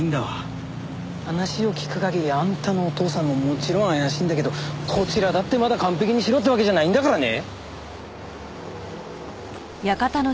話を聞く限りあんたのお父さんももちろん怪しいんだけどこちらだってまだ完璧に白ってわけじゃないんだからね。